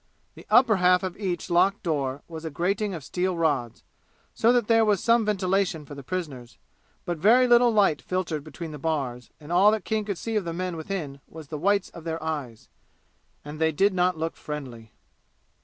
The upper half of each locked door was a grating of steel rods, so that there was some ventilation for the prisoners; but very little light filtered between the bars, and all that King could see of the men within was the whites of their eyes. And they did not look friendly.